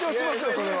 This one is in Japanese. それは。